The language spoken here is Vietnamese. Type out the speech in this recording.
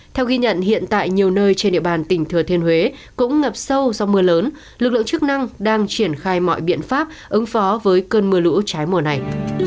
theo ghi nhận hiện tại nhiều nơi trên địa bàn tỉnh thừa thiên huế cũng ngập sâu do mưa lớn lực lượng chức năng đang triển khai mọi biện pháp ứng phó với cơn mưa lũ trái mùa này